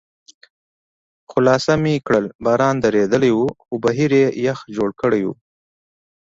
خلاصه مې کړل، باران درېدلی و، خو بهر یې یخ جوړ کړی و.